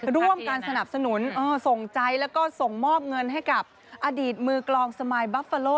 ร่วมการสนับสนุนส่งใจแล้วก็ส่งมอบเงินให้กับอดีตมือกลองสมายบัฟฟาโล